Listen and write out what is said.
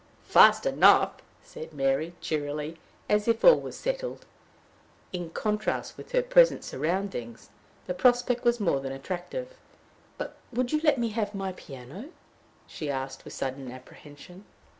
"Fast enough," said Mary, cheerily, as if all was settled. In contrast with her present surroundings, the prospect was more than attractive. " But would you let me have my piano?" she asked, with sudden apprehension.